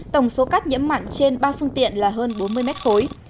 tổng số cát nhiễm mặn trên ba phương tiện là hơn bốn mươi mét khối